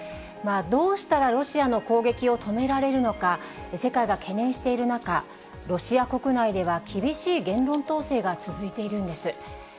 どうしたらロシアの攻撃を止められるのか、世界が懸念している中、ロシア国内では厳しい言論統制が続いているんです。